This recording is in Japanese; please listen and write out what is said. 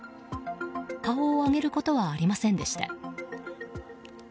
顔を上げることはありませんでした。